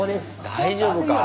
大丈夫か？